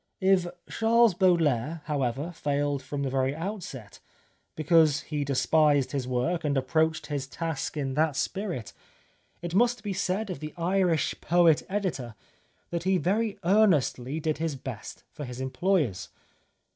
If Charles Baudelaire, however, failed from the very outset, because he despised his work and approached his task in that spirit, it must be said of the Irish poet editor that he very earnestly did his best for his employers.